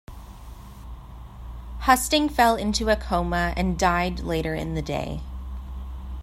Husting fell into a coma and died later in the day.